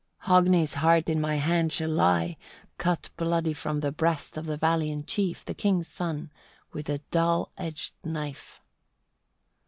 21. "Hogni's heart in my hand shall lie, cut bloody from the breast of the valiant chief, the king's son, with a dull edged knife."